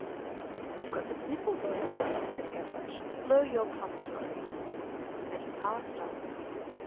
"You've got the sniffles, old lady," said Gavroche. "Blow your promontory." And he passed on.